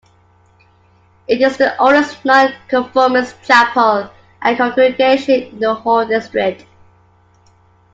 It is the oldest Non-conformist chapel and congregation in the whole district.